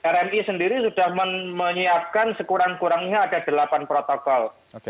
rmi sendiri sudah menyiapkan sekurang kurangnya ada delapan protokol